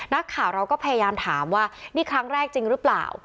นักข่าวเราก็พยายามถามว่านี่ครั้งแรกจริงหรือเปล่า